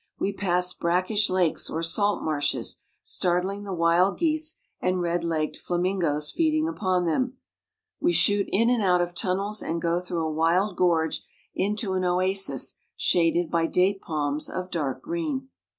We pass brackish lakes or salt marshes, startling the wild geese and red legged flamingoes feeding upon them. We shoot in and out of tunnels, and go through a wild gorge into an oasis shaded by date palms of dark green.